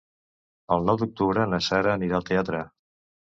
El nou d'octubre na Sara anirà al teatre.